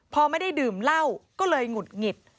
พอไม่ได้ดื่มเหล้าก็เลยหงุดหงิด